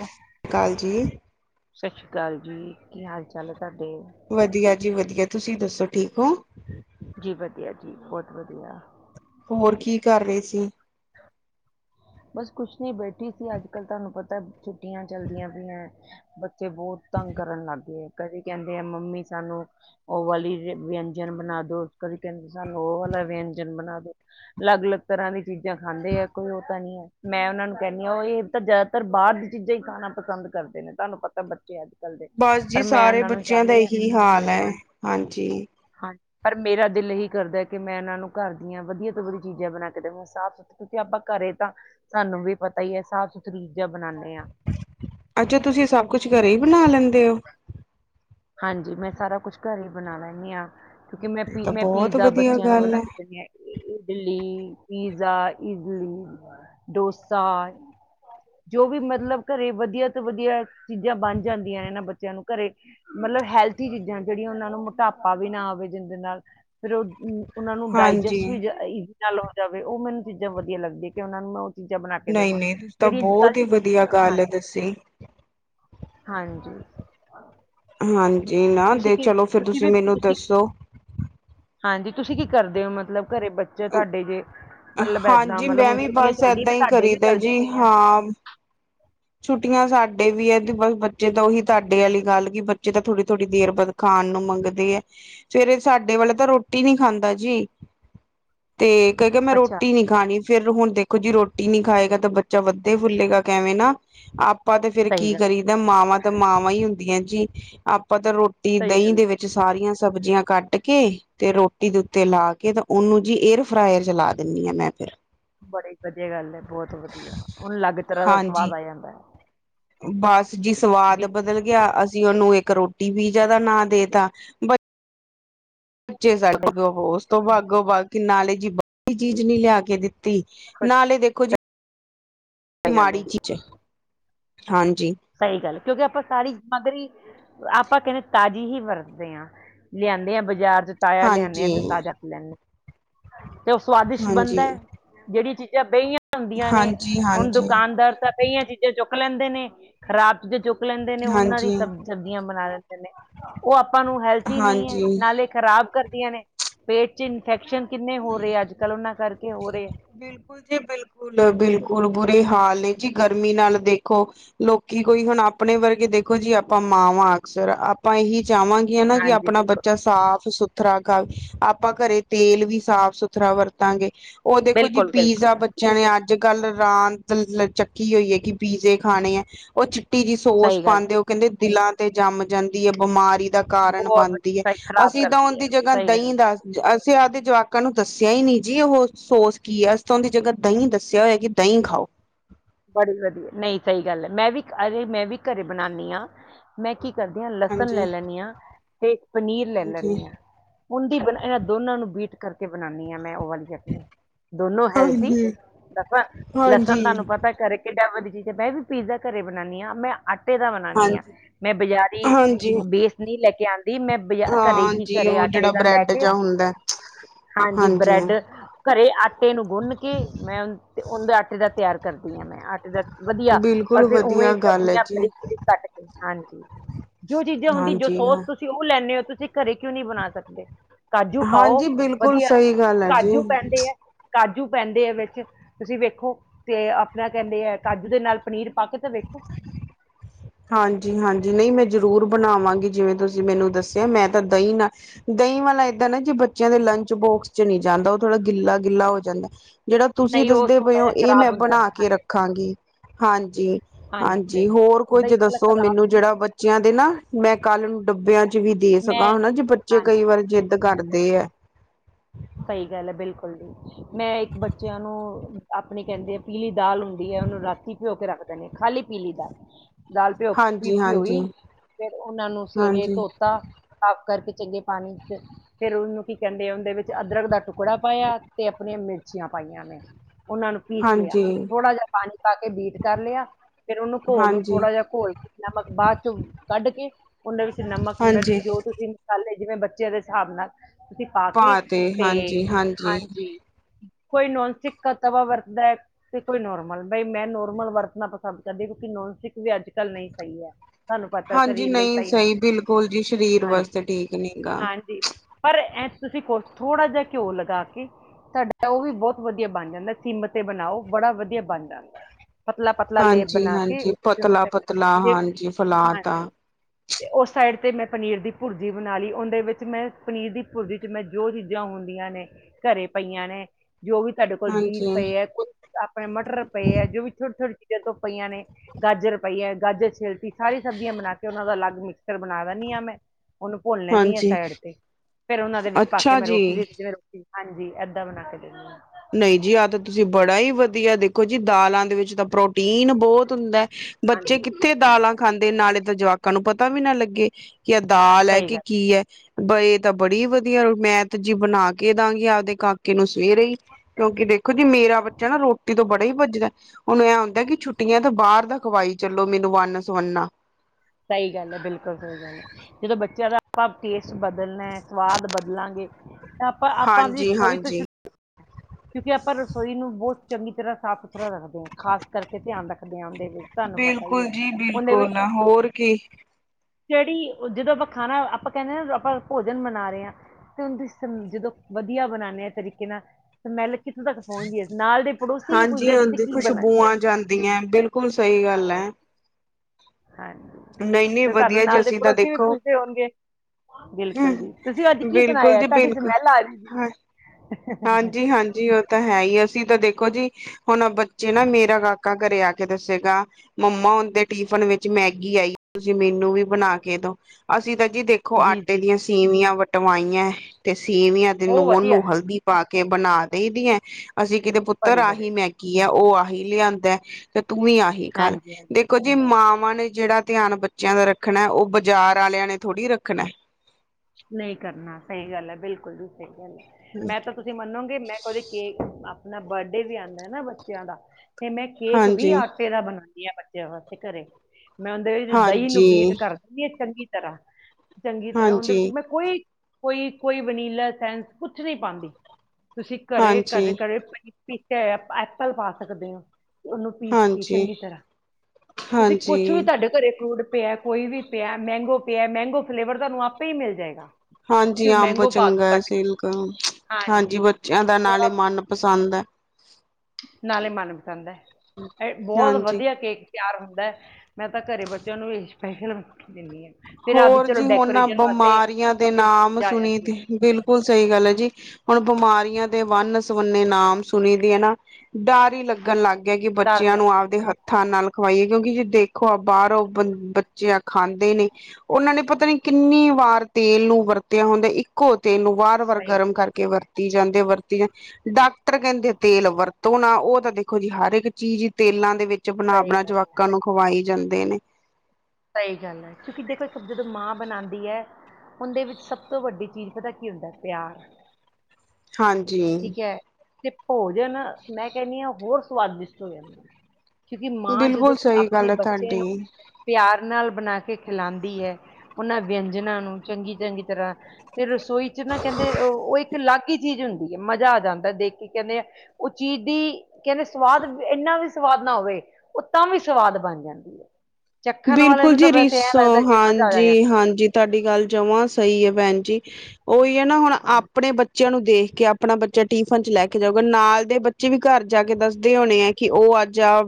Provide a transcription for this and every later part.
ਸਤਿ ਸ਼੍ਰੀ ਅਕਾਲ ਜੀ। ਸਤਿ ਸ੍ਰੀ ਅਕਾਲ ਜੀ, ਕੀ ਹਾਲ- ਚਾਲ ਹੈ ਤੁਹਾਡੇ? ਵਧੀਆ ਜੀ ਵਧੀਆ। ਤੁਸੀਂ ਦੱਸੋ ਠੀਕ ਹੋ? ਜੀ ਵਧੀਆ ਜੀ ਬਹੁਤ ਵਧੀਆ। ਹੋਰ ਕੀ ਕਰ ਰਹੇ ਸੀ? ਬਸ ਕੁਛ ਨੀ ਬੇਠੀ ਸੀ, ਅੱਜ-ਕੱਲ ਤੁਹਾਨੂੰ ਪਤਾ ਛੁੱਟੀਆਂ ਚੱਲਦੀਆਂ ਪਈਆਂ ਬੱਚੇ ਬਹੁਤ ਤੰਗ ਕਰਨ ਲੱਗ ਗਏ ਹੈ, ਕਦੇ ਕਹਿੰਦੇ ਆ ਮੰਮੀ ਸਾਨੂੰ ਉਹ ਵਾਲੀ ਵਿਅੰਜਨ ਬਣਾ ਦੋ ਕਦੇ ਕਹਿੰਦੇ ਸਾਨੂੰ ਉਹ ਵਾਲਾ ਵਿਅੰਜਨ ਬਣਾ ਦੋ ਅਲੱਗ-ਅਲੱਗ ਤਰ੍ਹਾਂ ਦੀ ਚੀਜ਼ਾਂ ਖਾਂਦੇ ਆ, ਕੋ ਪਤਾ ਨੀ ਹੈ, ਮੈਂ ਉਹਨਾਂ ਨੂੰ ਕਹਿੰਨੀ ਹਾਂ, ਉਹ ਇਹ ਤਾਂ ਜ਼ਿਆਦਾਤਰ ਬਾਹਰ ਦੀ ਚੀਜ਼ਾਂ ਹੀ ਖਾਣਾ ਪਸੰਦ ਕਰਦੇ ਨੇ, ਤੁਹਾਨੂੰ ਪਤਾ ਬੱਚ ਬੱਚੇ ਅੱਜ-ਕੱਲ ਦੇ ਬਸ ਜੀ, ਪਰ ਮੈਂ ਸਾਰੇ ਉਹਨਾਂ ਨੂੰ ਬੱਚਿਆਂ ਦਾ ਚਾਹੁੰਦੀ ਹਾਂ ਇਹੀ ਹਾਲ ਐ, ਹਾਂ ਹਾਂਜੀ। ਹਾਂਜੀ, ਪਰ ਮੇਰਾ ਦਿਲ ਇਹੀ ਕਰਦਾ ਕਿ, ਮੈਂ ਇਹਨਾਂ ਨੂੰ ਘਰਦੀਆਂ ਵਧੀਆ ਤੋਂ ਵਧੀਆ ਚੀਜ਼ਾਂ ਬਣਾਕੇ ਦੇਵਾਂ ਸਾਫ਼ ਸੁ ਕਿਉਂਕਿ ਆਪਾਂ ਘਰੇ ਤਾਂ, ਸਾਨੂੰ ਵੀ ਪਤਾ ਹੀ ਏ ਸਾਫ਼-ਸੁਥਰੀ ਚੀਜ਼ਾਂ ਬਣਾਂਨੇ ਆਂ। ਅੱਛਾ, ਤੁਸੀਂ ਸਭ ਕੁਛ ਘਰੇ ਹੀ ਬਣਾ ਲੈਂਦੇ ਹੋ? ਹਾਂਜੀ, ਮੈਂ ਸਾਰਾ ਕੁਛ ਘਰੇ ਹੀ ਬਣਾ ਲੈਂਨੀ ਆਂ। ਕਿਉਂਕਿ ਮੈਂ ਪੀ, ਤਾਂ ਮੈਂ ਬਹੁਤ ਪੀਜ਼ਾ ਵਧੀਆ ਬੱਚਿਆਂ ਨੂੰ ਗੱਲ ਹੈ ਬਨਾਕੇ ਦਿੰਨੀ ਆ ਇਡਲੀ, ਪੀਜ਼ਾ, ਇਡਲੀ, ਡੋਸਾ ਜੋ ਵੀ ਮਤਲਬ ਘਰੇ, ਵਧੀਆ ਤੋਂ ਵਧੀਆ ਚੀਜ਼ਾਂ ਬਣ ਜਾਂਦੀਆਂ ਨੇ, ਇਹਨਾਂ ਬੱਚਿਆਂ ਨੂੰ ਘਰੇ ਮਤਲਬ ਹੈਲਥੀ ਚੀਜ਼ਾਂ, ਜਿਹੜੀਆਂ ਉਹਨਾਂ ਨੂੰ ਮੋਟਾਪਾ ਵੀ ਨਾ ਆਵੇ ਜਿਹਦੇ ਨਾਲ, ਫਿਰ ਉਹ ਉਹਨਾਂ ਨੂੰ ਹਾਂਜੀ ਡਾਇਜੈਸਟ ਵੀ ਈਜੀਂ ਨਾਲ ਹੋ ਜਾਵੇ, ਉਹ ਮੈਨੂੰ ਚੀਜ਼ਾਂ ਵਧੀਆ ਲੱਗਦੀਆਂ, ਕਿ ਉਹਨਾਂ ਨੂੰ ਮੈਂ ਓ ਚੀਜ਼ਾਂ ਬਣਾਕੇ ਨਹੀਂ ਦੇਵਾਂ, ਨਹੀਂ ਤੁਸੀਂ ਤਾਂ ਜਿਹੜੀ ਅੱਜ-ਕੱਲ ਬਹੁਤ ਹੀ 'ਚ, ਵਧੀਆ ਹ, ਹਾਂ ਗੱਲ ਹੈ ਦੱਸੀ ਹਾਂਜੀ। ਹਾਂਜੀ, ਨਾ ਤੁਸੀਂ ਤੇ ਕੀ ਚਲੋ ਫਿਰ, ਤੁਸੀਂ ਵੀ ਮੈਨੂੰ ਦੱਸੋ? ਹਾਂਜੀ, ਤੁਸੀਂ ਕੀ ਕਰਦੇ ਓ ਮਤਲਬ ਘਰੇ ਬੈਠੇ? ਚੇ ਤੁਹਾਡੇ ਜੇ, ਮਤਲਬ ਏਦਾਂ ਹਾਂਜੀ ਮਤਲਬ ਮੈਂ ਹੁਣ ਵੀ ਛੁੱਟੀਆਂ ਬਸ ਚੱਲਦੀਆਂ ਏਦਾਂ ਪ ਹੀ ਤੁਹਾਡੇ ਵੀ ਕਰੀਦਾ ਚਲਦੀਆਂ ਜੀ ਪਈਆਂ। ਹਾਂ ਛੁੱਟੀਆਂ ਸਾਡੇ ਵੀ ਐ ਤੇ ਬਸ, ਬੱਚੇ ਤਾਂ ਉਹੀ ਤੁਹਾਡੇ ਵਾਲੀ ਗੱਲ, ਕਿ ਬੱਚੇ ਤਾਂ ਥੋੜੀ-ਥੋੜੀ ਦੇਰ ਬਾਅਦ ਖਾਣ ਨੂੰ ਮੰਗਦੇ ਐ, ਸਵੇਰੇ ਸਾਡੇ ਵਾਲੇ ਤਾਂ ਰ੍ਹੋਟੀ ਨੀਂ ਖਾਂਦਾ ਜੀ। ਤੇ, ਕਹਿਗਾ, ਮੈਂ ਅੱਛਾ ਰੋਟੀ ਨੀ ਖਾਣੀ ਫਿਰ ਹੁਣ ਦੇਖੋ ਜੀ, ਰੋਟੀ ਨੀ ਖਾਇਗਾ, ਤਾਂ ਬੱਚਾ ਵੱਧੇ-ਫੁੱਲੇਗਾ ਕੈਂਵੇਂ ਨਾ, ਆਪ ਆਪਾਂ ਤੇ ਫੇਰ ਸਹੀ ਕੀ ਗੱਲ ਕਰੀਦਾ, ਮਾਵਾਂ ਤੇ ਮਾਵਾਂ ਹੀ ਹੁੰਦੀਆਂ ਜੀ, ਆਪਾਂ ਤਾਂ ਰੋਟੀ ਸਹੀ ਦਹੀਂ ਗੱਲ ਦੇ ਵਿੱਚ ਵਿੱਚ ਸਾਰੀਆਂ ਸਬਜ਼ੀਆਂ ਕੱਟਕੇ ਤੇ ਰ੍ਹੋਟੀ ਦੇ ਉੱਤੇ ਲਾਕੇ, ਤੇ ਉਹਨੂੰ ਜੀ ਏਅਰ ਫ੍ਰਾਇਰ ਚਲਾ ਦਿੰਨੀ ਆਂ, ਮੈਂ ਫਿਰ। ਬੜੀ ਵਧੀਆ ਗੱਲ ਏ, ਬਹੁਤ ਵਧੀਆ। ਓਹੁਣੁ ਅਲੱਗ ਤਰ੍ਹਾਂ ਦਾ ਹਾਂਜੀ ਸਵਾਦ ਆ ਜਾਂਦਾ। ਬਸ ਜੀ ਸਵਾਦ ਵੀ ਬਦਲ ਗਿਆ, ਅਸੀਂ ਉਹਨੂੰ ਇੱਕ ਰੋਟੀ ਪੀਜ਼ਾ ਦਾ ਨਾਂ ਦੇਤਾ ਬੱ ਬੱਚੇ ਸਾਡੇ ਉਸ ਤੋਂ ਬਾਗੋ-ਬਾਗ, ਨਾਲੇ ਜੀ ਬਾਹਰ ਚੀਜ਼ ਨੀ ਲਿਆਕੇ ਦਿੱਤੀ। ਖੁਸ਼ ਨਾਲੇ ਦੇਖੋ ਜੀ ਸਹੀ ਗੱਲ ਮਾੜੀ ਹੈ ਚੀਜ਼ ਐ, ਹਾਂਜੀ। ਸਹੀ ਗੱਲ, ਕਿਉਂਕਿ ਆਪਾਂ ਸਾਰੀ ਸਮੱਗਰੀ, ਆਪਾਂ ਕਹਿੰਦੇ ਤਾਜ਼ੀ ਹੀ ਵਰਤਦੇ ਹਾਂ। ਲਿਆਂਦੇ ਆ ਬਜ਼ਾਰ'ਚ ਤਾਜ਼ਾ ਲਿਆਂਨੇ ਹਾਂ, ਹਾਂਜੀ ਤੇ ਤਾਜ਼ਾ ਖੀਲਾਂਦੇ ਹਾਂ। ਤੇ ਉਹ ਸਵਾਦਿਸ਼ਟ ਹਾਂਜੀ ਬਣਦਾ ਏ? ਜਿਹੜੀ ਚੀਜ਼ਾਂ ਬੇਹੀਆਂ ਹੁੰਦੀਆਂ ਨੇ, ਹਾਂਜੀ ਹੁਣ ਹਾਂਜੀ ਦੁਕਾਨਦਾਰ ਤਾਂ ਬੇਹੀਆਂ ਚੀਜ਼ਾਂ ਚ ਚੁੱਕ ਲੈਂਦੇ ਨੇ, ਖਰਾਬ ਚੀਜ਼ਾ ਚੁੱਕ ਲੈਂਦੇ ਨੇ, ਉਹਨਾਂ ਦੀ ਹਾਂਜੀ ਸਬ, ਸਬਜ਼ੀਆਂ ਬਣਾ ਲੈਂਦੇ ਨੇ। ਉਹ ਆਪਾਂ ਨੂੰ ਹੈਲਥੀ ਨਹੀਂ ਐ, ਹਾਂਜੀ ਨਾਲੇ ਖ਼ਰਾਬ ਕਰ ਨੇ, ਪੇਟ'ਚ ਇਨਫੈਕਸ਼ਨ ਕਿੰਨੇ ਹੋ ਰਹੇ ਅੱਜ-ਕੱਲ, ਉਹਨਾਂ ਕਰਕੇ ਹੋ ਰਹੇ। ਬਿਲਕੁਲ ਜੀ, ਬਿਲਕੁਲ-ਬਿਲਕੁਲ ਬੁਰੇ ਹਾਲ ਨੇ ਜੀ ਗਰਮੀ ਨਾਲ ਦੇਖੋ ਲੋਕੀ ਕੋਈ, ਹੁਣ ਆਪਣੇ ਵਰਗੇ ਦੇਖੋ ਜੀ, ਆਪਾਂ ਮਾਵਾਂ ਅਕਸਰ ਆਪਾਂ ਇਹੀ ਚਾਹਵਾਂਗੇ ਗੀਆ ਨਾ ਕਿ ਹਾਂਜੀ ਆਪਣਾ ਬਿਲਕੁਲ, ਬੱਚਾ ਸਾਫ-ਸੁਥਰਾ ਖਾਵੇ, ਆਪਾਂ ਘਰੇ ਤੇਲ ਵੀ ਸਾਫ-ਸੁਥਰਾ ਵਰਤਾਂਗੇ, ਓ ਦੇਖੋ ਜੀ, ਬਿਲਕੁਲ, ਬਿਲਕੁਲ ਪੀਜ਼ਾ ਬੱ ਚਿਆ ਨੇ, ਅੱਜ-ਕੱਲ ਰਾਂਤ ਲ ਚੱਕੀ ਹੋਈ ਹੈ, ਕਿ ਪੀਜ਼ੇ ਖਾਣੇ ਆ, ਉਹ ਛ ਖੱਟੀ ਜੀ ਸੋਸ ਸਹੀ ਗੱਲ ਐ। ਪਾਂਦੇ, ਓ ਕਹਿੰਦੇ ਦਿਲਾਂ ਤੇ ਜੰਮ ਜਾਂਦੀ ਐ, ਬਿਮਾਰੀ ਦਾ ਕਾਰਨ ਬਹੁਤ ਵਧੀਆ, ਬਣਦੀ ਹੈ ਸਹੀ ਖ਼ਰਾਬ ਅਸੀਂ ਤਾਂ ਕਰਦੀ ਐ, ਉਹਦੀ ਜਗ੍ਹਾ ਸਹੀ ਗੱਲ ਦਹੀਂ ਐ, ਦਾ, ਅਸੀਂ ਆਪਦੇ ਜਵਾਕ ਜੁਵਾਕਾਂ ਨੂੰ ਦੱਸਿਆ ਹੀ ਨਹੀਂ ਜੀ ਉਹ, ਸੋਸ ਕੀ ਹੈ ਅਸੀਂ ਉਹਦੀ ਜਗ੍ਹਾ ਦਹੀਂ ਦੱਸਿਆ ਹੋਇਆ ਕਿ ਦਹੀਂ ਖਾਓ। ਬੜੀ ਵਧੀਆ, ਨਹੀਂ ਸਹੀ ਗੱਲ ਏ, ਮੈਂ ਵੀ ਅਰੇ, ਮੈਂ ਵੀ ਘਰੇ ਬਣਾਨੀ ਆਂ। ਮੈਂ ਕੀ ਕਰਦੀ ਆਂ, ਲਸਣ ਹਾਂਜੀ, ਲੈ ਲੈਂਨੀ ਆਂ, ਤੇ ਪਨੀਰ ਲੈ ਹਾਂਜੀ। ਲੈਂਨੀ ਆਂ। ਉਹਦੀ ਬਣ ਐ ਦੋਨਾਂ ਨੂੰ ਬੀਟ ਕਰਕੇ ਬਣਾਨੀ ਆਂ ਮੈ ਓਵਨ ਚ। ਦੋਨੋ ਹੈਲਦੀ, ਹਾਂਜੀ, ਦੱਸਾਂ ਲਸਣ ਤੁਹਾਨੂੰ ਹਾਂਜੀ। ਪਤਾ। ਘਰੇ ਕਿੱਡਾ ਵਧੀਆ ਚੀਜ਼ ਆ, ਮੈਂ ਵੀ ਪੀਜ਼ਾ ਘਰੇ ਬਣਾਉਦੀ ਹਾਂ। ਮੈਂ ਆਟੇ ਦਾ ਬਣਾਨੀ ਆਂ, ਹਾਂਜੀ, ਮੈਂ ਬਾਜ਼ਾਰੀ, ਹਾਂਜੀ, ਬੇਸ ਨਹੀਂ ਲੈ ਕੇ ਆਂਦੀ। ਮੈਂ ਬਜ਼ਾਰ, ਘਰੇ ਹਾਂ ਹੀ ਜੀ ਘਰੇ ਉਹ ਆਟੇ ਜਿਹੜਾ ਦਾ ਲੈ ਬ੍ਰੈਡ ਕੇ, ਜਾ ਹੁੰਦਾ। ਹਾਂਜੀ ਬ੍ਰੈਡ। ਘਰੇ ਆਟੇ ਨੂੰ ਗੁੰਨ ਕੇ ਮੈਂ ਤੇ ਉਹਦੇ ਆਟੇ ਦਾ ਤਿਆਰ ਕਰਦੀ ਹਾਂ। ਮੈਂ ਆਟੇ ਦਾ ਵਧੀਆ, ਔਰ ਬਿਲਕੁਲ ਫਿਰ ਉਵੇਂ ਵਧੀਆ ਹੀ ਗੱਲ ਹੈ ਸਬਜ਼ੀਆਂ ਜੀ। ਬਾਰੀਕ-ਬਾਰੀਕ ਕੱਟ ਕੇ। ਹਾਂਜੀ, ਜੋ ਚੀਜ਼ਾਂ ਹੁੰਦੀ ਜੋ ਹਾਂਜੀ ਸੋਸ ਹਾਂ, ਤੁਸੀਂ ਉਹ ਲੈਂਦੇ ਹੋ ਤੁਸੀਂ ਘਰੇ ਕਿਉਂ ਨਹੀਂ ਬਣਾ ਸਕਦੇ। ਕਾਜੂ ਪਾਓ, ਹਾਂਜੀ ਬਿਲਕੁਲ ਵਧੀਆ, ਸਹੀ ਗੱਲ ਹੈ ਕਾਜੂ ਜੀ। ਪੈਂਦੇ ਐ। ਕਾਜੂ ਪੈਂਦੇ ਆ ਵਿੱਚ, ਤੁਸੀਂ ਵੇਖੋ ਤੇ। ਮੈਂ ਕਹਿੰਦੇ ਆ ਕਾਜੂ ਦੇ ਨਾਲ ਪਨੀਰ ਪਾ ਕੇ ਤੇ ਵੇਖੋ। ਹਾਂਜੀ, ਹਾਂਜੀ, ਨਹੀਂ ਮੈਂ ਜ਼ਰੂਰ ਬਣਾਵਾਂਗੀ ਜਿਵੇਂ ਤੁਸੀਂ ਮੈਨੂੰ ਦੱਸਿਆ। ਮੈਂ ਤਾਂ ਦਹੀਂ ਨਾਲ ਦਹੀਂ ਵਾਲਾ ਏਦਾਂ ਨਾ ਜੀ ਬੱਚਿਆਂ ਦੇ ਲੰਚ ਬੋਕਸ 'ਚ ਨਹੀ ਜਾਂਦਾ, ਉਹ ਥੋੜ੍ਹਾ ਗਿੱਲਾ ਗਿੱਲਾ ਹੋ ਜਾਂਦਾ। ਜਿਹੜਾ ਤੁਸੀਂ ਨਹੀਂ ਉਹ ਦੱਸਦੇ ਪਏ ਥੋੜਾ ਹੋ ਜਿਹਾ ਇਹ ਖਰਾਬ ਮੈਂ ਹੁੰਦਾ ਬਣਾ ਜਾਂਦਾ ਕੇ ਹਾਂਜੀ ਰੱਖਾਂਗੀ ਹਾਂਜੀ। ਹਾਂਜੀ ਸਹੀ ਗੱਲ ਏ। ਕੁੱਝ ਦੱਸੋ ਮੈਨੂੰ ਜਿਹੜਾ ਬੱਚਿਆਂ ਦੇ ਨਾ, ਮੈਂ ਕੱਲ ਨੂੰ ਡੱਬਿਆਂ ਚ ਵੀ ਦੇ ਮੈਂ ਸਕਾਂ ਹਨਾ ਜੇ। ਬੱਚੇ ਹਾਂ ਕਈ ਵਾਰ ਜਿੱਦ ਕਰਦੇ ਹੈ। ਸਹੀ ਗੱਲ ਬਿਲਕੁਲ ਜੀ ਬਿਲਕੁਲ। ਮੈਂ ਇੱਕ ਬੱਚਿਆਂ ਨੂੰ, ਆਪਣੀ ਕਹਿੰਦੇ ਆ ਪੀਲੀ ਦਾਲ ਹੁੰਦੀ ਹੈ। ਉਹਨੂੰ ਰਾਤੀ ਭਿਓ ਕੇ ਰੱਖ ਦਿੰਦੇ ਨੇ, ਖਾਲੀ ਪੀਲੀ ਦਾਲ। ਦਾਲ ਭਿਓਤੀ, ਹਾਂਜੀ ਹਾਂਜੀ ਭਿਉਈ ਫਿਰ ਉਹਨਾ ਨੂੰ ਸਵੇਰੇ ਹਾਂਜੀ ਧੋਤਾ। ਸਾਫ਼ ਕਰਕੇ ਚੰਗੇ ਪਾਣੀ ਚ, ਫਿਰ ਉਹਨੂੰ ਕੀ ਕਹਿੰਦੇ ਆ? ਉਹਦੇ ਵਿੱਚ ਅਦਰਕ ਦਾ ਟੁਕੜਾ ਪਾਇਆ। ਤੇ ਆਪਣੀਆਂ ਮਿਰਚੀਆਂ ਪਾਈਆਂ ਨੇ, ਉਹਨਾਂ ਨੂੰ ਪੀਸ ਲਿਆ ਹਾਂਜੀ ਥੋੜਾ ਜਿਹਾ ਪਾਣੀ ਪਾ ਕੇ ਬੀਟ ਕਰ ਲਿਆ। ਫੇਰ ਉਹਨੂੰ ਘੋਲ ਲਓ ਹਾਂਜੀ ਥੋੜ੍ਹਾ ਜਿਹਾ ਘੋਲ ਕੇ, ਨਮਕ ਬਾਅਦ ਚੋਂ ਕੱਢ ਕੇ। ਉਹਦੇ ਵਿੱਚ ਨਮਕ ਮਿਰਚ ਹਾਂਜੀ ਜੋ ਤੁਸੀਂ ਮਸਾਲੇ ਜਿਵੇਂ ਬੱਚਿਆਂ ਦੇ ਹਿਸਾਬ ਨਾਲ, ਤੁਸੀਂ ਪਾ ਕੇ। ਤੇ, ਹਾਂਜੀ, ਕੋਈ ਨੋਨਸਟਿਕ ਕਾ ਤਵਾ ਵਰਤਦਾ ਹੈ। ਤੇ ਕੋਈ ਨੋਰਮਲ ਬਈ ਮੈਂ ਨੋਰਮਲ ਵਰਤਣਾ ਪਸੰਦ ਕਰਦੀ ਕਿਉਂਕਿ ਨੋਨਸਟਿਕ ਵੀ ਅੱਜ ਕੱਲ ਨਹੀਂ ਸਹੀ ਹੈ। ਪਤਾ ਹਾਂਜੀ ਸਰੀਰ ਲਈ ਨਹੀਂ ਸਹੀ, ਬਿਲਕੁਲ ਜੀ, ਸਰੀਰ ਹਾਂਜੀ ਵਾਸਤੇ ਠੀਕ ਨੀ ਗਾ। ਹਾਂਜੀ ਪਰ ਏ ਤੁਸੀਂ ਕੋਲ ਥੋੜ੍ਹਾ ਜਿਹਾ ਘਿਓ ਲਗਾ ਕੇ। ਤੁਹਾਡਾ ਉਹ ਵੀ ਬਹੁਤ ਵਧੀਆ ਬਣ ਜਾਂਦਾ, ਸਿਮ ਤੇ ਬਣਾਓ ਬੜਾ ਵਧੀਆ ਬਣ ਜਾਂਦਾ। ਪਤਲਾ ਪਤਲਾ ਲੇਪ ਹਾਂਜੀ ਬਣਾ ਕੇ, ਹਾਂਜੀ ਤੁਸੀਂ ਪਤਲਾ ਉਹਦੇ ਪਤਲਾ ਤੇ ਹਾਂਜੀ ਫਲਾ ਤਾ ਹਾਂਜੀ। ਅਤੇ ਉਸ ਸਾਈਡ 'ਤੇ ਮੈਂ ਪਨੀਰ ਦੀ ਭੁਰਜੀ ਬਣਾ ਲਈ, ਉਹਦੇ ਵਿੱਚ ਮੈਂ ਪਨੀਰ ਦੀ ਭੁਰਜੀ 'ਚ ਮੈਂ। ਜੋ ਚੀਜ਼ਾਂ ਹੁੰਦੀਆਂ ਨੇ ਘਰੇ ਪਈਆਂ ਨੇ। ਜੋ ਵੀ ਤੁਹਾਡੇ ਕੋਲ ਬੀਜ ਹਾਂਜੀ ਪਏ ਐ ਕੋਈ ਆਪਣੇ ਮਟਰ ਪਏ ਐ। ਜੋ ਵੀ ਛੋਟੇ ਛੋਟੇ ਚੀਜ਼ ਜੋਂ ਪਈਆਂ ਨੇ, ਗਾਜਰ ਪਈ ਹੈ, ਗਾਜਰ ਛਿਲਤੀ, ਸਾਰੀ ਸਬਜ਼ੀਆਂ ਬਣਾ ਕੇ ਉਹਨਾਂ ਨੂੰ। ਉਹਦਾ ਅਲੱਗ ਮਿਕਸਰ ਬਣਾ ਦਿੰਦੀ ਆ ਮੈਂ, ਉਹਨੂੰ ਭੁਨ ਲੈਂਦੀ ਆ। ਮੈ ਹਾਂਜੀ ਸਾਈਡ ਤੇ ਫੇਰ ਉਹਨਾਂ ਦੇ ਵਿੱਚ ਪਾ ਕੇ ਅੱਛਾ ਮੈਂ ਰੋਟੀ ਜੀ। ਦੇਿੰਤੀ ਫਿਰ ਹਾਂਜੀ ਏਦਾਂ ਬਣਾ ਕੇ ਦੇਨੀ ਹਾਂ। ਨਹੀਂ ਜੀ ਆਹ ਤਾਂ ਤੁਸੀਂ ਬੜਾ ਹੀ ਵਧੀਆ ਦੇਖੋ ਜੀ ਦਾਲਾਂ ਦੇ ਵਿੱਚ ਤਾਂ ਪ੍ਰੋਟੀਨ ਬਹੁਤ ਹੁੰਦਾ। ਬੱਚੇ ਹਾਂਜੀ ਕਿੱਥੇ ਦਾਲਾਂ ਖਾਂਦੇ, ਨਾਲੇ ਤਾਂ ਜਵਾਕਾਂ ਨੂੰ ਪਤਾ ਵੀ ਨਾ ਲੱਗੇ। ਕੀ ਇਹ ਦਾਲ ਹੈ, ਸਹੀ ਗੱਲ ਕਿ ਕੀ ਹੈ? ਬਈ ਇਹ ਤਾਂ ਬੜੀ ਵਧੀਆ ਮੈਂ ਤਾਂ ਜੀ ਬਣਾ ਕੇ ਦਵਾਂਗੀ ਆਪਦੇ ਕਾਕੇ ਨੂੰ ਸਵੇਰੇ ਹੀ। ਕਿਉਂਕਿ ਦੇਖੋ ਜੀ ਮੇਰਾ ਬੱਚਾ ਨਾ ਰੋਟੀ ਤੋਂ ਬੜਾ ਹੀ ਭੱਜਦਾ। ਉਹਨੂੰ ਇਹ ਹੁੰਦਾ ਕਿ ਛੁੱਟੀਆਂ ਤਾਂ ਬਾਹਰ ਦਾ ਖਵਾਈ ਚੱਲੋ ਮੈਨੂੰ ਵੰਨ-ਸਵੰਨਾ। ਸਹੀ ਗੱਲ ਐ, ਬਿਲਕੁਲ ਸਹੀ ਗੱਲ ਐ। ਜਦੋਂ ਬੱਚਿਆਂ ਦਾ ਆਪਾਂ ਟੇਸਟ ਬਦਲਣਾ, ਸਵਾਦ ਬਦਲਾਂਗੇ। ਤੇ ਆਪਾਂ ਆਪਾਂ, ਦੀ ਹਾਂਜੀ ਰਸੋਈ ਤੋਂ ਸ਼ੁਰੂ ਹਾਂਜੀ ਕਰ। ਕਿਉਂਕਿ ਆਪਾਂ ਰਸੋਈ ਨੂੰ ਬਹੁਤ ਚੰਗੀ ਤਰ੍ਹਾਂ ਸਾਫ਼- ਸੁਥਰਾ ਰੱਖਦੇ ਹਾਂ, ਖ਼ਾਸ ਕਰਕੇ ਧਿਆਨ ਰੱਖਦੇ ਆਂ ਉਹਦੇ ਵਿੱਚ। ਤੁਹਾਨੂੰ ਪਤਾ ਹੀ ਹੈ ਬਿਲਕੁਲ ਜੀ- ਉਹਦੇ ਵਿੱਚ ਬਿਲਕੁਲ, ਹੋਰ ਕੀ ਜਿਹੜੀ ਜਦੋਂ ਆਪਾਂ ਖਾਣਾ, ਆਪਾਂ ਕਹਿੰਦੇ ਨਾ ਆਪਾਂ ਭੋਜਨ ਬਣਾ ਰਹੇ ਆਂ। ਤੇ ਉਹਨੂੰ ਦਿਸਣ, ਜਦੋਂ ਵਧੀਆ ਬਣਾਣੇ ਆ ਤਰੀਕੇ ਨਾਲ ਸਮੈਲ ਕਿੱਥੋਂ ਤੱਕ ਪਹੁੰਚਦੀ ਐ, ਨਾਲ ਦੇ ਪੜੋਸੀ ਵੀ ਹਾਂਜੀ ਪੁੱਛਦੇ ਤੁਸੀਂ ਹਾਂਜੀ ਕੀ ਬਣਾਇਆ। ਖੁਸ਼ਬੂਆਂ ਜਾਂਦੀਆਂ ਬਿਲਕੁਲ ਸਹੀ ਗੱਲ ਹਾਂ ਐ। ਹਾਂਜੀ, ਨਹੀਂ ਤੇ ਤੁਹਾਡੇ ਵਧੀਆ ਜੀ ਨਾਲ ਦੇ ਅਸੀਂ ਤਾਂ ਪੜੋਸੀ ਵੀ ਦੇਖੋ ਪੁੱਛਦੇ ਹੋਣਗੇ। ਬਿਲਕੁਲ ਜੀ, ਤੁਸੀਂ ਅੱਜ ਕੀ ਬਿਲਕੁਲ ਬਣਾਇਆ, ਜੀ ਤੁਹਾਡੀ ਬਿਲਕੁਲ ਸਮੈਲ ਆ ਰਹੀ ਜੀ। ਹਾਂ ਹਾਂਜੀ- ਹਾਂਜੀ, ਉਹ ਤਾਂ ਹੈ ਹੀ ਆ, ਅਸੀਂ ਤਾਂ ਦੇਖੋ ਜੀ, ਹੁਣ ਬੱਚੇ ਨਾ ਮੇਰਾ ਕਾਕਾ ਘਰੇ ਆ ਕੇ ਦੱਸੇਗਾ ਮੰਮਾ ਹੁਣ ਤੇ ਟਿਫਨ ਵਿੱਚ ਮੈਗੀ ਆਈ ਤੁਸੀਂ ਮੈਨੂੰ ਵੀ ਬਣਾ ਕੇ ਦੋ, ਅਸੀਂ ਤਾਂ ਜੀ ਦੇਖੋ ਜੀ ਆਟੇ ਜੀ ਦੀਆਂ ਸੀਵੀਆਂ ਵਟਵਾਈਆਂ, ਤੇ ਸੇਵੀਆਂ ਤੇ ਉਹ ਨੂੰਨ ਵਧੀਆ ਨੂੰ ਹਲਦੀ ਪਾ ਕੇ ਬਣਾ ਦਈ ਦੀਆਂ, ਅਸੀਂ ਕਿਤੇ ਪੁੱਤਰ ਬੜੀ ਆਹੀ ਵਧੀਆ ਗੱਲ ਮੈਗੀ ਆ, ਉਹ ਆਹੀ ਲਿਆਂਦਾ, ਤੇ ਤੂੰ ਵੀ ਆਹੀ ਖਾ ਲੈ, ਹਾਂਜੀ ਹਾਂਜੀ ਦੇਖ ਦੇਖੋ ਜੀ, ਮਾਵਾਂ ਨੇ ਜਿਹੜਾ ਧਿਆਨ ਬੱਚਿਆਂ ਦਾ ਰੱਖਣਾ, ਉਹ ਬਾਜ਼ਾਰ ਵਾਲਿਆਂ ਨੇ ਥੋੜ੍ਹੀ ਰੱਖਣਾ। ਨਹੀਂ ਕਰਨਾ, ਸਹੀ ਗੱਲ ਐ, ਬਿਲਕੁਲ ਵੀ ਸਹੀ ਗੱਲ ਐ। [unintelligible] ਤੁਸੀਂ ਮੰਨੋਗੇ, ਮੈਂ ਕਦੇ ਕੇਕ ਆਪਣਾ ਬਰਡੇ ਵੀ ਆਂਦਾ ਨਾ ਬੱਚਿਆਂ ਦਾ ਤੇ ਮੈਂ ਕੇਕ ਵੀ ਹਾਂਜੀ, ਆਟੇ ਦਾ ਬਣਾਂਦੀ ਆਂ, ਬੱਚਿਆਂ ਵਾਸਤੇ ਘਰੇਂ। ਮੈਂ ਉਹਦੇ ਦਹੀਂ ਨੂੰ ਬੀਟ ਹਾਂਜੀ, ਕਰ ਦਿੰਦੀ ਆ ਚੰਗੀ ਤਰ੍ਹਾਂ, ਚੰਗੀ ਤਰ੍ਹਾਂ ਉਹਦੇ ਹਾਂਜੀ, ਮੈਂ ਕੋਈ- ਕੋਈ- ਕੋਈ ਵਨੀਲਾ ਸੈਂਸ ਕੁਛ ਵੀ ਪਾਂਦੀ। ਤੁਸੀਂ ਘਰੇ-ਘਰੇ- ਘਰੇ ਪਪੀਤਾ, ਐਪਲ ਪਾ ਸਕਦੇ ਹੋ। ਉਹਨੂੰ ਪੀਸ ਕੇ ਹਾਂਜੀ, ਚੰਗੀ ਤਰ੍ਹਾਂ, ਤੁਸੀਂ ਕੁਛ ਵੀ ਹਾਂਜੀ, ਤੁਹਾਡੇ ਘਰੇ ਫਰੂਟ ਪਿਆ ਕੋਈ ਵੀ ਪਿਆ ਮੈਂਗੋ ਪਿਆ, ਮੈਂਗੋ ਫਲੇਵਰ ਤੁਹਾਨੂੰ ਆਪੇ ਹੀ ਮਿਲ ਜਾਏਗਾ। ਹਾਂਜੀ ਤੁਸੀਂ ਅੰਬ ਪਾ ਦੋ ਚੰਗਾ ਐ ਕੱਟ ਕੇ ਸਿਲਕ, ਹਾਂਜੀ ਬੱਚਿਆਂ ਦਾ ਨਾਲੇ ਮਨ ਪਸੰਦ ਐ। ਨਾਲੇ ਮਨ ਪਸੰਦ ਐ, ਇਹ ਬਹੁਤ ਹਾਂਜੀ। ਵਧੀਆ ਕੇਕ ਤਿਆਰ ਹੁੰਦਾ, ਮੈਂ ਤਾਂ ਘਰੇ ਬੱਚਿਆਂ ਨੂੰ ਇਹੀ ਸਪੈਸ਼ਲ ਬਣਾ ਕੇ ਦਿੰਦੀ ਆਂ। ਹੋਰ ਜੀ, ਹੁਣ ਬਿਮਾਰੀਆਂ ਦੇ ਥੋੜੀ ਨਾਮ ਜਾ ਸੁਣੀ ਆਂਦੀ ਤੇ ਬਿਲਕੁਲ ਸਹੀ ਗੱਲ ਐ ਜੀ, ਹੁਣ ਬਿਮਾਰੀਆਂ ਦੇ ਵੰਨ- ਸਵੰ ਦੇ ਨਾਮ ਸੁਣੀ ਦੇ ਐ ਨਾ, ਡਰ ਹੀ ਲੱਗਣ ਲੱਗ ਗਿਆ ਕਿ ਹੈ ਡਰ ਬੱਚਿਆਂ ਨੂੰ ਜਾਂਦੀ ਹੈ ਆਪਦੇ ਹੱ ਮੈਨੂੰ ਹੱਥਾਂ ਨਾਲ ਖਵਾਈਏ, ਕਿਉਂਕਿ ਜੇ ਦੇਖੋ ਆ ਬਾਹਰੋਂ ਬ ਬੱਚੇ ਆ ਖਾਂਦੇ ਏ ਨੀ। ਉਹਨਾਂ ਨੇ ਪਤਾ ਨੀ ਕਿੰਨੀ ਵਾਰ ਤੇਲ ਨੂੰ ਵਰਤਿਆ ਹੁੰਦਾ, ਇੱਕੋ ਤੇਲ ਨੂੰ ਵਾਰ- ਵਾਰ ਸਹੀ ਗਰਮ ਗੱਲ ਕਰਕੇ ਵਰਤੀ ਜਾਂਦੇ, ਵਰਤੀ ਜਾਂ ਡਾਕਟਰ ਕਹਿੰਦੇ ਤੇਲ ਵਰਤੋ ਨਾ, ਉਹ ਤਾਂ ਦੇਖੋ ਜੀ, ਹਰ ਇੱਕ ਚੀਜ਼ ਤੇਲਾਂ ਦੇ ਵਿੱਚ ਸਹੀ ਬਣਾ-ਬਣਾ ਗੱਲ ਹੈ ਜਵਾਕਾਂ ਨੂੰ ਖਵਾਈ ਜਾਂਦੇ ਨੇ। ਸਹੀ ਗੱਲ ਐ, ਕਿਉਂਕਿ ਦੇਖੋ ਜਦੋਂ ਇਕ ਮਾਂ ਬਣਾਂਦੀ ਐ ਉਹਦੇ ਵਿੱਚ ਸਭ ਤੋਂ ਵੱਡੀ ਚੀਜ਼ ਪਤਾ ਕੀ ਹੁੰਦਾ, ਪਿਆਰ। ਹਾਂਜੀ। ਠੀਕ ਐ। ਤੇ ਭੋਜਨ ਮੈਂ ਕਹਿੰਨੀ ਆਂ, ਹੋਰ ਸਵਾਦਿਸ਼ਟ ਹੋ ਜਾਂਦਾ। ਕਿਉਂਕਿ ਮਾਂ ਬਿਲਕੁਲ ਜਦੋਂ ਸਹੀ ਗੱਲ ਆਪਣੇ ਹੈ ਬੱਚੇ ਨੂੰ ਤੁਹਾਡੀ। ਪਿਆਰ ਨਾਲ ਬਣਾ ਕੇ ਖਿਲਾਂਦੀ ਐ ਉਹਨਾਂ ਵਿਅੰਜਨਾਂ ਨੂੰ ਚੰਗੀ-ਚੰਗੀ ਤਰ੍ਹਾਂ, ਤੇ ਰਸੋਈ ਚ ਨਾ ਕਹਿੰਦੇ ਉਹ ਇੱਕ ਅਲੱਗ ਹੀ ਚੀਜ਼ ਹੁੰਦੀ ਏ, ਮਜ਼ਾ ਆ ਜਾਂਦਾ ਦੇਖ ਕੇ ਕਹਿੰਦੇ। ਉਹ ਚੀਜ਼ ਦੀ ਕਹਿੰਦੇ, ਸਵਾਦ ਇੰਨਾ ਵੀ ਸਵਾਦ ਨਾ ਹੋਵੇ। ਉਹ ਤਾਂ ਵੀ ਸਵਾਦ ਬਣ ਜਾਂਦੀ ਐ। ਬਿਲਕੁਲ ਜੀ ਰੀਸੋ, ਕਿ ਮਜ਼ਾ ਆ ਜਾਏਗਾ ਹਾਂਜੀ- ਹਾਂਜੀ। ਤੁਹਾਡੀ ਗੱਲ ਜਵਾਂ ਸਹੀ ਐ ਭੈਣ ਜੀ, ਉਹੀ ਐ ਨਾ ਹੁਣ ਆਪਣੇ ਬੱ ਬੱਚਿਆਂ ਨੂੰ ਦੇਖ ਕੇ ਆਪਣਾ ਬੱਚਾ ਟਿਫਨ ਚ ਲੈ ਕੇ ਜਾਊਗਾ, ਨਾਲ ਦੇ ਬੱਚੇ ਵੀ ਘਰ ਜਾ ਕੇ ਦੱਸਦੇ ਹੋਣੇ ਆ, ਕਿ ਉਹ ਅੱਜ ਜਾਂ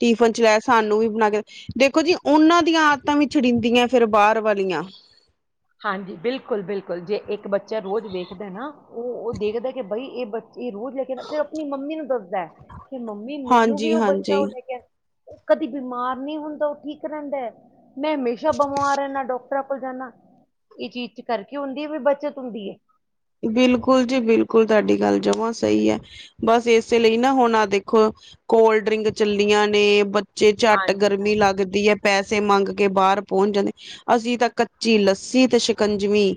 ਟਿਫਨ ਚ ਲੈ ਸਾਨੂੰ ਵੀ ਬਣਾ ਕੇ, ਦੇਖੋ ਜੀ ਉਹਨਾਂ ਦੀਆਂ ਆਦਤਾਂ ਵੀ ਛੜੀਦੀਆਂ, ਫਿਰ ਬਾਹਰ ਵਾਲੀਆਂ। ਹਾਂਜੀ ਬਿਲਕੁਲ- ਬਿਲਕੁਲ, ਜੇ ਇੱਕ ਬੱਚਾ ਰੋਜ਼ ਵੇਖਦਾ ਨਾ, ਉਹ-ਉਹ ਦੇਖਦਾ ਕਿ ਬਈ ਇਹ ਬੱਚਾ ਇਹ ਰੋਜ਼ ਤੇ ਆਪਣੀ ਮੰਮੀ ਨੂੰ ਦੱਸਦਾ ਕਿ ਮੰਮੀ ਮੈਨੂੰ ਵੀ ਹਾਂਜੀ ਉਹ ਬੱਚਾ ਹਾਂਜੀ। ਉਹ ਲੈ ਗਿਆ। ਕਦੀ ਬਿਮਾਰ ਨਹੀਂ ਹੁੰਦਾ ਉਹ ਠੀਕ ਰਹਿੰਦਾ ਮੈਂ ਹਮੇਸ਼ਾ ਬਿਮਾਰ ਰਹਿੰਦਾ ਡਾਕਟਰਾਂ ਕੋਲ ਜਾਣਾ। ਇਹ ਚੀਜ਼ ਚ ਕਰਕੇ ਹੁੰਦੀ ਹੈ ਵੀ ਬੱਚਤ ਹੁੰਦੀ ਹੈ। ਬਿਲਕੁਲ ਜੀ ਬਿਲਕੁਲ ਤੁਹਾਡੀ ਗੱਲ ਜਵਾਂ ਸਹੀ ਹੈ। ਬਸ ਇਸੇ ਲਈ ਨਾ, ਹੁਣ ਆਹ ਦੇਖੋ ਕੋਲਡ ਡਰਿੰਕ। ਚੱਲੀਆਂ ਨੇ ਬੱਚੇ ਝੱਟ ਹਾਂਜੀ ਹਾਂ ਗਰਮੀ ਲੱਗਦੀ ਹੈ ਪੈਸੇ ਮੰਗ ਕੇ ਬਾਹਰ ਪਹੁੰਚ ਜਾਂਦੇ। ਅਸੀਂ ਤਾਂ ਕੱਚੀ ਲੱਸੀ ਤੇ ਸ਼ਿਕੰਜਵੀ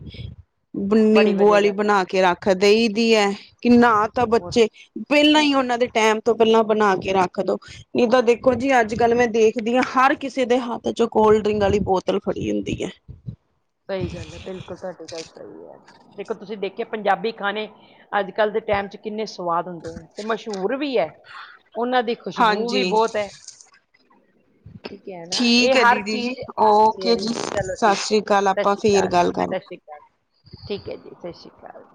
ਬੜੀ ਨਿੰਬੂ ਵਧੀਆ ਵਾਲੀ ਗੱਲ ਹੈ ਬਣਾ ਕੇ ਰੱਖ ਦੇਈ ਦੀ ਹੈ ਕਿ ਨਾ ਤਾਂ ਬਹੁਤ ਬੱਚੇ ਪਹਿਲਾਂ ਹੀ ਉਹਨਾਂ ਦੇ ਟੈਮ ਤੋਂ ਪਹਿਲਾਂ ਬਣਾ ਕੇ ਰੱਖ ਦੋ। ਇਹ ਤਾਂ ਦੇਖੋ ਜੀ ਅੱਜ ਕੱਲ ਮੈਂ ਦੇਖਦੀ ਹਾਂ, ਹਰ ਕਿਸੇ ਦੇ ਹੱਥ ਚ ਕੋਲਡ ਡਰਿੰਕ ਵਾਲੀ ਬੋਤਲ ਫੜੀ ਹੁੰਦੀ ਐ। ਸਹੀ ਗੱਲ ਏ ਬਿਲਕੁਲ ਤੁਹਾਡੀ ਗੱਲ ਸਹੀ ਏ ਦੇਖੋ ਤੁਸੀਂ ਦੇਖਿਆ ਪੰਜਾਬੀ ਖਾਣੇ ਅੱਜ ਕੱਲ੍ਹ ਦੇ ਟਾਈਮ ਚ ਕਿੰਨੇ ਸਵਾਦ ਹੁੰਦੇ ਹੈ ਤੇ ਮਸ਼ਹੂਰ ਵੀ ਹੈ ਉਹਨਾਂ ਦੀ ਖੁਸ਼ਬੂ ਵੀ ਹਾਂਜੀ ਬਹੁਤ ਹੈ। ਠੀਕ ਹੈ ਨਾ ਇਹ ਠੀਕ ਏ ਹਰ ਦੀਦੀ ਜੀ ਚੀਜ਼ ਹਾਂਜੀ ਓਕੇ ਹਾਂਜੀ ਜੀ, ਚਲੋ ਸਤਿ ਠੀਕ ਹੈ ਸ੍ਰੀ ਜੀ। ਕੱਲ ਸਤਿ ਆਪਾਂ ਸ਼੍ਰੀ ਫੇਰ ਅਕਾਲ ਗੱਲ ਸਤਿ ਕਰਨੀ। ਸ੍ਰੀ ਅਕਾਲ, ਠੀਕ ਏ ਜੀ ਸਤਿ ਸ੍ਰੀ ਅਕਾਲ।